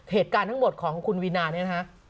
เหตุการณ์ทั้งหมดของคุณวีนาเนี่ยนะฮะ